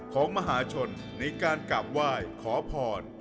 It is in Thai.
ของมหาชนในการกราบไหว้ขอพร